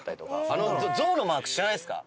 あのゾウのマーク知らないですか？